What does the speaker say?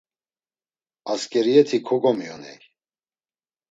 Asǩeriyeti kogomiyoney.